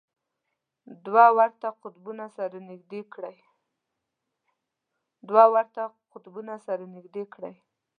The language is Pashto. دوه ورته قطبونه سره نژدې کړئ.